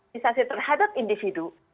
kisah terhadap individu